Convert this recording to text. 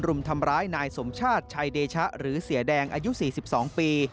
รุมทำร้ายนายสมชาติชัยเดชะหรือเสียแดงอายุ๔๒ปี